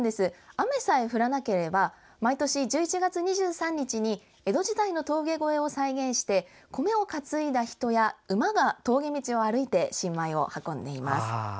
雨さえ降らなければ毎年１１月２３日に江戸時代の峠越えを再現して米を担いだ人や馬が峠道を歩いて新米を運んでいます。